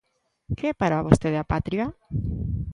Que é para vostede a patria?